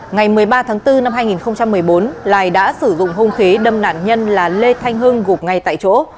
ngày một mươi ba tháng bốn năm hai nghìn một mươi bốn lài đã sử dụng hung khí đâm nạn nhân là lê thanh hưng gục ngay tại chỗ